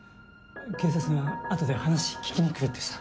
警察があとで話聞きに来るってさ。